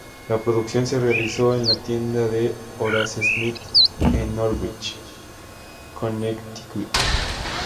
La producción se realizó en la tienda de Horace Smith en Norwich, Connecticut.